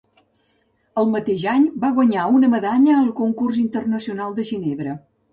El mateix any va guanyar una medalla al Concurs Internacional de Ginebra.